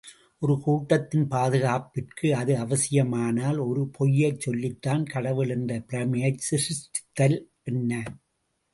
ஒரு கூட்டத்தின் பாதுகாப்பிற்கு அது அவசியமானால் ஒரு பொய்யைச் சொல்லித்தான், கடவுள் என்ற பிரமையைச் சிருஷ்டித்தால் என்ன?